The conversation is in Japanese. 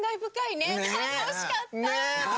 ね楽しかったね！